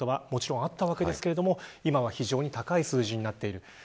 もちろんあったわけですが今は非常に高い数字になっている。